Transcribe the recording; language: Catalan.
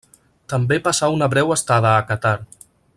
També passà una breu estada a Qatar.